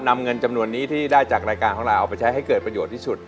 นำเงินจำนวนนี้ที่ได้จากรายการของเราเอาไปใช้ให้เกิดประโยชน์ที่สุด